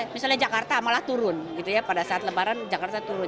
misalnya jakarta malah turun gitu ya pada saat lebaran jakarta turun